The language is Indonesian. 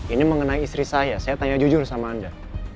ini mengenai istri saya saya tanya jujur sama anda